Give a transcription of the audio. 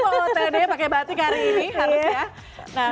jangan lupa ootd pakai batik hari ini harusnya